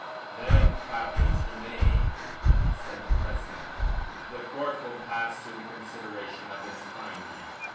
"Then, Captain Tremayne," said the president, "the court will pass to the consideration of its finding.